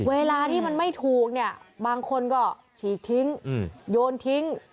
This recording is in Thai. เวลาที่มันไม่ถูกเนี่ยบางคนก็ฉีกทิ้งโยนทิ้ง